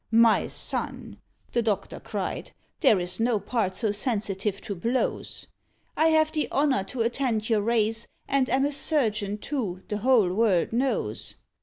"My son," the doctor cried, "There is no part so sensitive to blows. I have the honour to attend your race, And am a surgeon, too, the whole world knows."